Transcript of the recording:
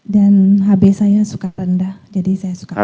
dan hb saya suka rendah jadi saya suka kosong